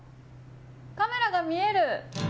カメラが見える。